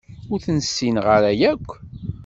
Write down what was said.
Ur ten-ssineɣ ara akk.